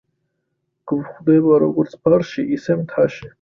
გვხვდება როგორც ბარში, ისე მთაში.